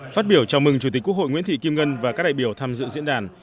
phát biểu chào mừng chủ tịch quốc hội nguyễn thị kim ngân và các đại biểu tham dự diễn đàn